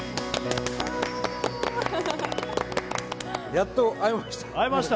やっと会えました。